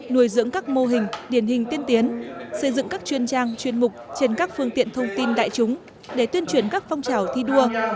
nuôi dưỡng các mô hình điển hình tiên tiến xây dựng các chuyên trang chuyên mục trên các phương tiện thông tin đại chúng để tuyên truyền các phong trào thi đua